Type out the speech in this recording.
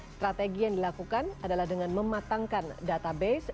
strategi yang dilakukan adalah dengan mematangkan database